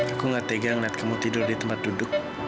aku gak tegang liat kamu tidur di tempat duduk